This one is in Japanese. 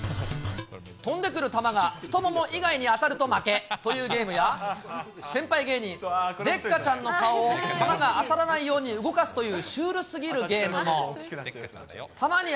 飛んでくる球が太もも以外に当たると負けというゲームや、先輩芸人、デッカちゃんの顔を、球が当たらないように動かすというシュールすぎるゲームも。